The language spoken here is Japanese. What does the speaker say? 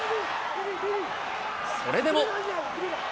それでも。